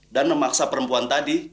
dan memaksa perempuan tadi